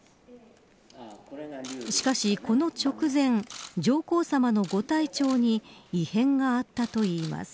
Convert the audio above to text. しかし、この直前上皇さまのご体調に異変があったといいます。